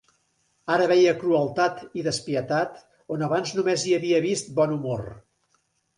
Ara veia crueltat i despietat on abans només hi havia vist bon humor.